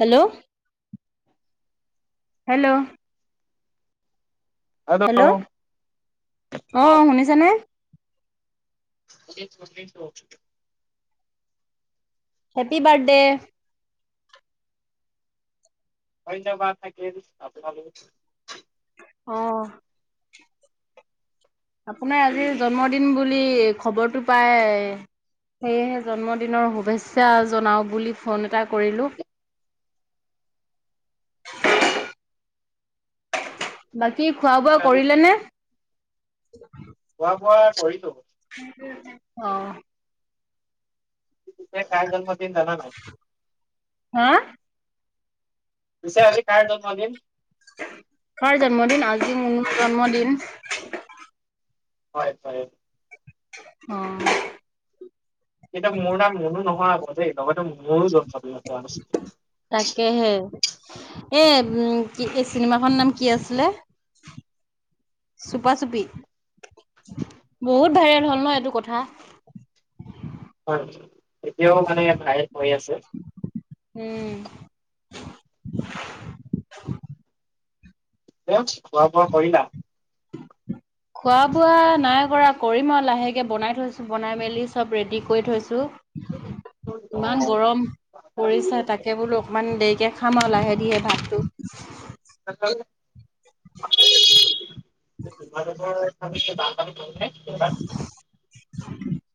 Hello. Hello. Hello, অ অঁ শুনিছানে? শুনিছোঁ, শুনিছোঁ। Happy birthday. ধন্যবাদ থাকিল আপোনালৈ। অঁ। আপোনাৰ আজিৰ জন্মদিন বুলি খবৰটো পাই- সেয়েহে জন্মদিনৰ শুভেচ্ছা জনাওঁ বুলি ফোন এটা কৰিলোঁ। বাকী খোৱা বোৱা আজি কৰিলে নে? খোৱা বোৱা কৰিলোঁ। অঁ। কেতিয়া কাৰ জন্মদিন নাজানো। হা। পিছে আজি কাৰ জন্মদিন? কাৰ জন্মদিন, আজি মোৰ জন্মদিন। হয়, হয়। অঁ। এতিয়া মোৰ নাম মনো নহয় আক দেই লগতো মোৰো জন্মদিন পোৱা নাছিল। তাকেহে। এ উম কি এই চিনেমাখনৰ নাম কি আছিলে? চুপা চুপি, বহুত ভাইৰেল হ'ল ন এইটো কথা। হয়, এতিয়াও মানে ভায়েল হৈ আছে। উম। খোৱা বোৱা কৰিলা? খোৱা বোৱা নাই কৰা, কৰিম আৰু লাহেকে বনাই থৈছো, বনাই মেলি চব ৰেডি কৰি থৈছোঁ। অ ইমান গৰম পৰিছো তাকে পিছে বোলো- অকণমান দেৰিকৈ খাম আৰু লাহে ধিৰে ভাতটো। তোমালোকৰ সেফালে বানপানী হলনে? [inaudible] [inaudible]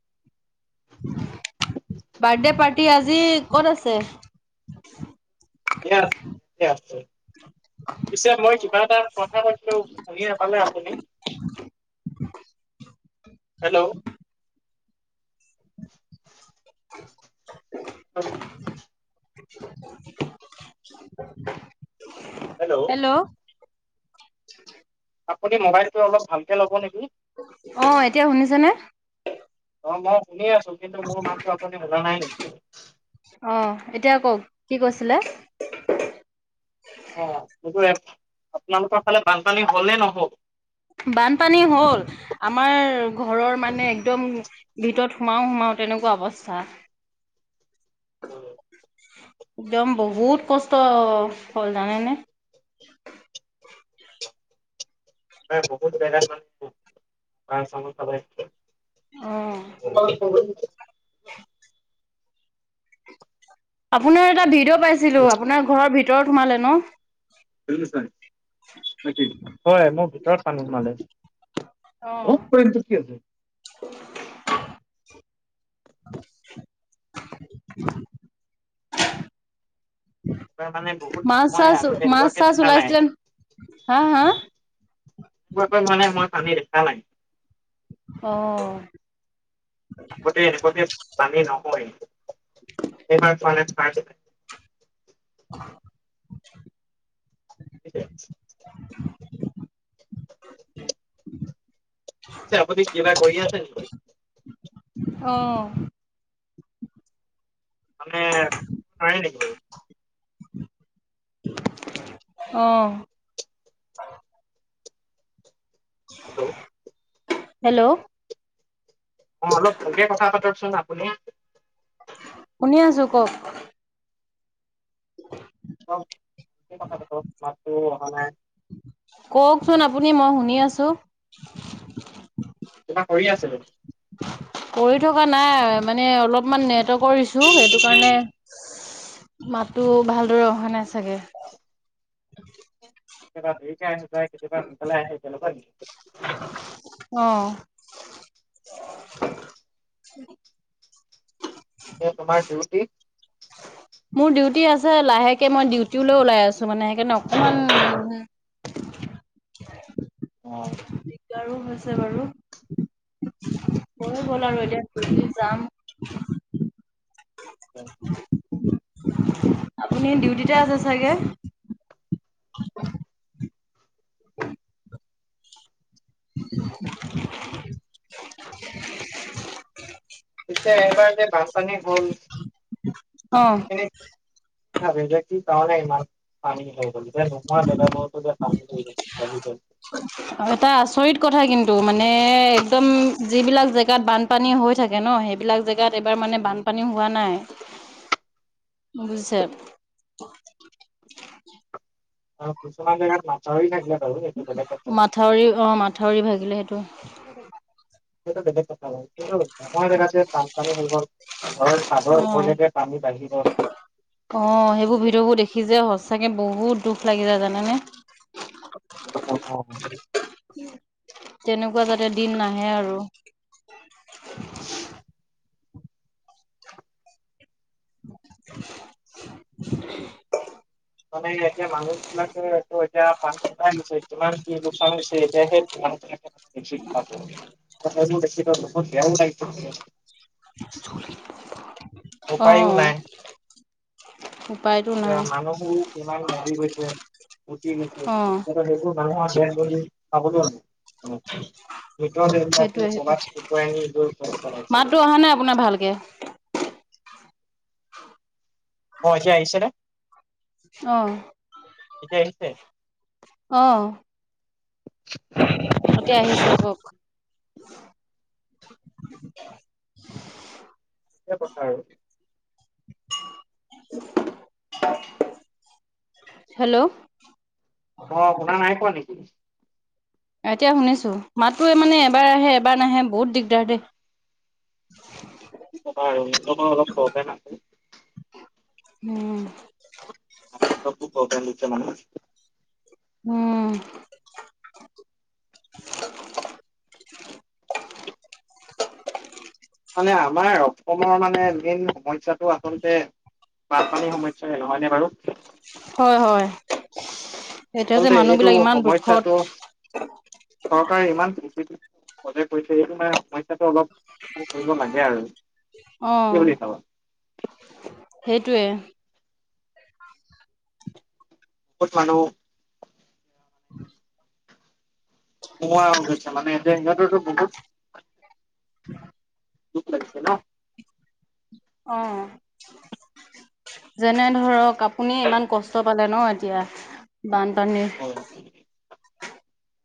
বাৰ্থডে পাৰ্টি আজি ক'ত আছে? [unintelligible] পিছে মই কিবা এটা কথা পাতিলো শুনি নাপালে আপুনি। হেল্ল'। [inaudible] [inaudible] [unintelligible] [inaudible] হেল্ল'। হেল্ল'। আপুনি মোবাইলটো অলপ ভালকে ল'ব নেকি? অ', এতিয়া শুনিছনে? অ', মই শুনিয়ে আছো কিন্তু মোৰ মাতটো আপুনি শুনা নাই নেকি? অ', এতিয়া কওক কি কৈছিলে? [unintelligible] আপোনালোকৰ ফালে বানপানী হলেই নহওঁক। বানপানী হ'ল, আমাৰ ঘৰৰ মানে একদম ভিতৰত সোমাও সোমাও তেনেকুৱা অৱস্থা। একদম বহুত কষ্ট হ'ল জানেনে? নাই বহুত জেগাত [unintelligible] অ'। [unintelligible] আপোনাৰ এটা ভিডিঅ' পাইছিলোঁ, আপোনাৰ ঘৰৰ ভিতৰত সোমালে ন? [unintelligible] হয়, মোৰ ভিতৰত পানী সোমালে অ'। [unintelligible] [inaudible] [unintelligible] মানে বহুত মাছ মই চাছ, আগতে মাছ এনেকুৱাকে চাছ দেখা নাই ওলাইছিলে হা হা? [unintelligible] ধৰণে মই পানী দেখা নাই। অ'। আগতে এনেকুৱাকে পানী নহয়ে, এইবাৰ [unintelligible] [unintelligible] [unintelligible] আপুনি কিবা কৰি আছে নেকি? অ'। মানে নোঁৱাৰে নেকি? অ'। Hello hello. অ', অলপ ভালকে কথা পাতকচোন আপুনি। শুনি আছোঁ কওক। [unintelligible] [unintelligible] মাতটো অহা নাই। কওকচোন আপুনি মই শুনি আছোঁ। কিবা কৰি আছে নেকি? কৰি থকা নাই মানে অলপমান নেটৰ্কৰ ইছু সেইটো কাৰণে মাতটো ভালদৰে অহা নাই চাগে। কেতিয়াবা দেৰীকে আহিপাই কেতিয়াবা সোনকালে আহি তেনেকা নেকি? অহ'। এ তোমাৰ ডিউটি? মোৰ ডিউটি আছে লাহেকে মই ডিউটিলে ওলাই আছো মানে সেইকাৰণে অকমান। অহ'। দিগদাৰো হৈছে বাৰু, হয় গ'ল আৰু এতিয়া। ডিউটি যাম। আপুনি ডিউটিতে আছে চাগে? [inaudible] [inaudible] পিছে এইবাৰ যে বনপানী হ'ল। অ'। এইবাৰ কি কাৰণে ইমান পানী হৈ গল যে নোহোৱা জগবোৰতে যে পানী হৈ গল। [unintelligible] অ' এটা আচৰিত কথা কিন্তু মানে একদম যিবিলাক জেগাত বানপানী হৈ থাকে ন' সেইবিলাক জেগা গাত এবাৰ মানে বানপানী হোৱা নাই, বুজিছে? অ' কিছুমান জাগাত মথাউৰি ভাগিলে বাৰু এইটো বেলেগ কথা। মাথাউৰি অ' মাত ঠউৰি ভাগিলে সেইটো। হেইটো বেলেগ কথা। নোহোৱা জেগাত যে বনপানী হ'ল, ঘৰ অ চাদৰ উপলেকে পানী বাহিৰগন। অ' সেইবোৰ ভিডিঅ' বোৰ দেখি যে সচাকে বহুত দুখ লাগি যায় জানেনে? [unintelligible] তেনেকুৱা যাতে দিন নাহে আৰু। [inaudible] [unintelligible] মানে এতিয়া মানুহ বিলাকে তটো এতিয়া পানী কিমান যে কি লোকচান হৈছে এতিয়া হে মানুহবিলাকে এইবোৰ দেখি কেনে বহুত বেয়াও লাগি গৈছিলে। [unintelligible] উপায়ও নাই। উপায় তো এ, মানুহবোৰো কিমান মৰি গৈছে, উটি গৈছে। অ সেইটো মানুহৰ দেড বদি যেন বুলি ভাবো। মিত্ৰ দেহ সেইটোৱে বিলাকে সেইটো চোলাত উটুৱাই নি ক'ত পেলাইছে গৈ। মাততো অহা নাই আপোনাৰ ভালকে। অহ' এতিয়া আহিছেনে? অহ'। এতিয়া আহিছে? অহ'। [inaudible] এতিয়া আহিছে আকৌ। এই কথা আৰু। হেল্ল'। অ' শুনা নাই পোৱা নেকি? এতিয়া শুনিছো, মাতটোৱে মানে এবাৰ আহে এবাৰ নাহে বহুত দিগদাৰ দে। কি কবা আৰু লগৰ অলপ সহতে নাছে। হুম। [unintelligible] উম মানে আমাৰ অসমৰ মানে মেইন সমস্যাটো আচলতে বানপানীৰ সমস্যই নহয়নে বাৰু হয় হয় এতিয়া যে আচলতে মানুহ এইটো বিলাক ইমান দুখত সমস্যাটো চৰকাৰে ইমান পজে কৈছে এইটো মানে সমস্যাটো অলপ কৰিব লাগে আৰু অ কি বুলি ভাবা? সেইটোৱে পঠানো উম নোৱা হৈ গৈছে মানে সিহঁতে টো বহুত [inaudible] দুখ লাগিছে ন অ যেনে ধৰক আপুনি ইমান কষ্ট পালে ন এতিয়া বানপানীৰ [inaudible]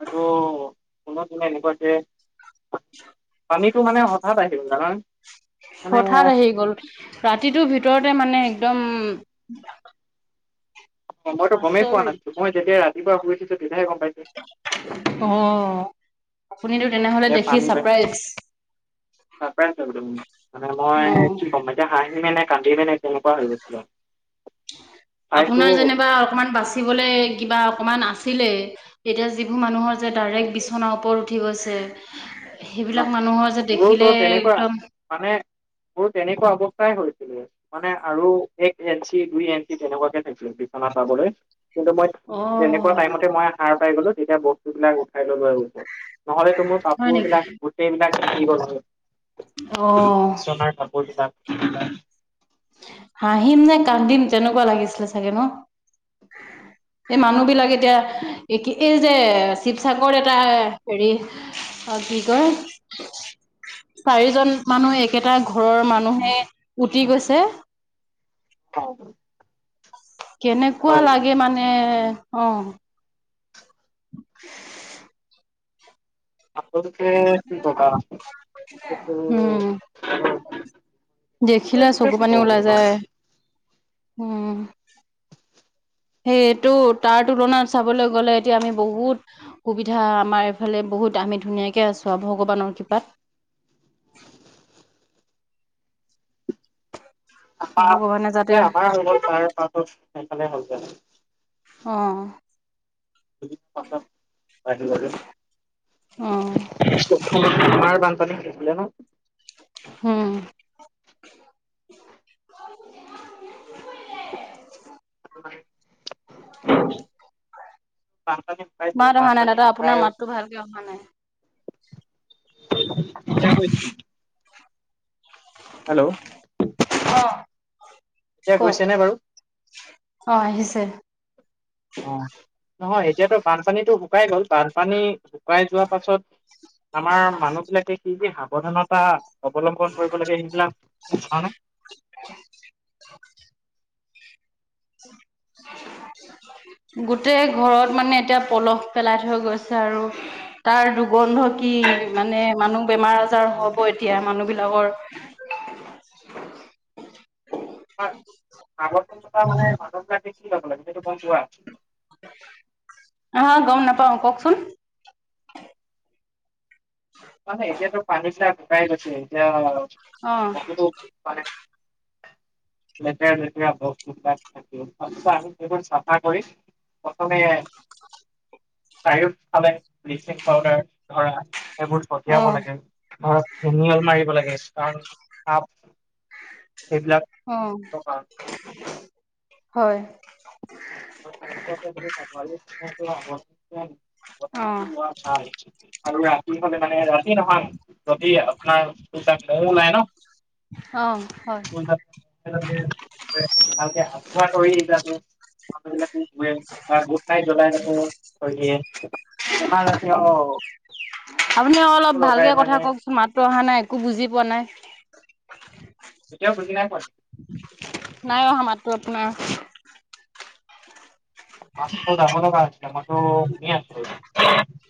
এইটো কত কাই এনেকুৱা যে আমিতো মানে হঠাৎ আহিলো জানানে মানে হঠাৎ আহি গ'ল ৰাতিটোৰ ভিতৰতে মানে একদম মইটো গমেই পোৱা আচৰিত নাছিলোঁ মই যেতিয়া ৰাতিপুৱা শুই উঠিছো তেতিয়াহে গম পাইছো। অ আপুনিতো তেনেহলে যে দেখি পানী বাঢ়ি চাৰপ্ৰাইজ মানে মই অ', কি কম এতিয়া হাঁহি মেনে কান্দি মেনে তেনেকুৱা হৈ গৈছিল আৰু আপোনাৰ যেনিবা অকমান বাচিবলৈ কিবা অকমান আছিলে। এতিয়া যিবোৰ মানুহৰ যে ডাইৰেক্ট বিছনাৰ ওপৰত উঠি গৈছে। না সেইবিলাক মানুহৰ যে মোৰোতো দেখিলে তেনেকুৱা একদম মানে মোৰ তেনেকুৱা অৱস্থাই হৈছিল। মানে আৰু এক এঞ্চি দুই এঞ্চি তেনেকুৱাকে থাকিলে বিচনা চাবলৈ কিন্তু মই তেনেকুৱা অ', টাইমতে মই সাৰ পাই গলো তেতিয়া বস্তুবিলাক উঠাই ললো আৰু ওচৰত নহলে তো মোৰ হয় কাপোৰ বিলাক নেকি? গোটেই বিলাক তিতি গল হৈ অ বিচনাৰ কাপোৰ বিলাক হাঁহিম নে কান্দিম তেনেকুৱা লাগিছিলে চাগে ন এই মানুহ বিলাক এতিয়া কি এই যে শিৱসাগৰ এটা হেৰি অ কি কয় চাৰিজন মানুহ একেটা ঘৰৰ মানুহে উটি গৈছে হয় হয় কেনেকুৱা লাগে মানে অ আপোনালোকে কি উম দেখিলে চকু পানী ওলাই ক'বা যায় উম সেইটো তাৰ তুলনাত চাবলৈ গ'লে এতিয়া আমি বহুত সুবিধা আমাৰ এইফালে বহুত আমি ধুনীয়াকৈ আছোঁ আৰু ভগৱানৰ কৃপাত। ভগৱানে যাতে আমাৰ আমাৰ হ তাৰ পাছত সেইফালে হ অ [unintelligible] আমাৰ অ বানপানী হৈছিলে ন? উম [inaudible] শুকাইছিলে মাত অহা নাই বানপানী দাদা আপোনাৰ শুকাই আ মাতটো ভালকে অহা নাই [unintelligible] [inaudible] হেল্লো' অ এতিয়া কওক গৈছে নে বাৰু? অ আহিছে। অ নহয় এতিয়াতো বানপানীটো শুকাই গ'ল। বানপানী শুকাই যোৱা পাছত, আমাৰ মানুহ বিলাকে কি কি সাৱধানতা অৱলম্বন কৰিব লাগে সেইবিলাক [inaudible] [inaudible] গোটেই ঘৰত মানে এতিয়া পলস পেলাই থৈ গৈছে আৰু। তাৰ দুৰ্গন্ধ কি মানে মানুহ বেমাৰ আজাৰ হব। এতিয়া মানুহ বিলাকৰ আগন মানে মান দেখ কি লগ লাগে যে ক যোৱা আ আহ গম নাপাওঁ। কওকচোন [inaudible] মানে এতিয়াতো পানী চা শুকাই গৈছে, এতিয়া অ বহুতো [unintelligible] লেতেৰা লেতেৰা বস্তুবিলাক থাকে। সেইবোৰ চাফা কৰি প্ৰথমে চাৰিওফালে ব্লিচিং পাউদাৰ ধৰা সেইবোৰ অ ছটিয়াব লাগে। অ ফিনীয়াল মাৰিব লাগে। কাৰণ সাপ সেইবিলাক উম, কাৰণ হয়। [unintelligible] হয় আৰু ৰাতি অ হলে মানে ৰাতি নহয় যদি আপোনাৰ মহ ওলাই ন? অ, হয়। ভালকে হাত ধোৱা কৰি কিবা গুট নাইট তেতিয়া জ্বলাই ল'ব কই দিয়ে। তোমালোকেও আপুনি অলপ ভালকে কথা কওকচোন মাতটো অহা নাই একো বুজি পোৱা নাই। এতিয়াও বুজি নাই পোৱা নেকি? নাই অহা মাততো আপোনাৰ [unintelligible]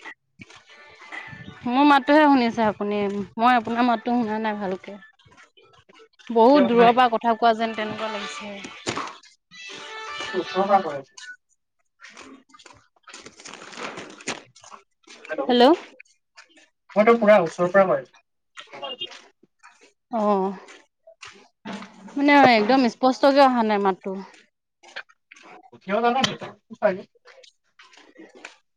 মোৰ মাতটোহে শুনিছে আপুনি মই আপোনাৰ মাততো শুনা নাই ভালকে। এতিয়াও বহুত শুনাই দূৰৰ পৰা নাই কথা কোৱা যেন তেনেকুৱা লাগিছে। মইতো ওচৰৰ পৰা কই আছো। হেল্লো' মই পুৰা ওচৰ পৰা কৈ আছো। [unintelligible] অঁ! মানে একদম স্পষ্টকে অহা নাই মাততো? [inaudible] [inaudible] [inaudible]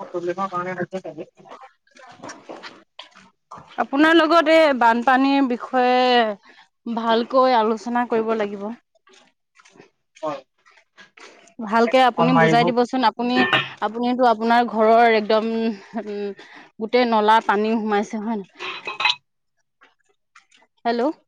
নেটস্কেপ কাৰণে প্ৰব্লেম হৈছে [inaudible] আপোনাৰ লগত এই বানপানীৰ বিষয়ে [inaudible] ভালকৈ আলোচনা কৰিব লাগিব। [inaudible] হয় [inaudible] ভালকে আপুনি বুজাই দিব চোন আপু [inaudible] আপুনি-আপুনিতো আপোনাৰ ঘৰৰ একদম উম [inaudible] গোটেই নলা পানী সোমাইছে হয় নাই? [inaudible] হেল্ল'। [inaudible]